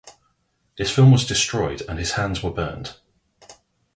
His film was destroyed and his hands were burned.